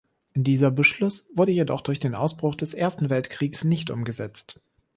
Dieser Beschluss wurde jedoch durch den Ausbruch des Ersten Weltkriegs nicht umgesetzt.